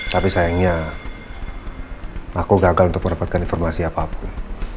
tapi sayangnya aku gagal untuk mendapatkan informasi apapun